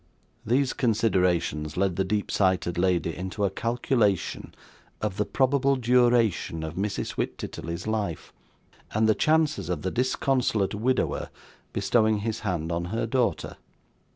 These considerations led the deep sighted lady into a calculation of the probable duration of Mrs. Wititterly's life, and the chances of the disconsolate widower bestowing his hand on her daughter.